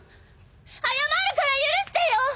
謝るから許してよ！